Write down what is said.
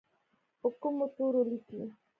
په کومو تورو لیکي؟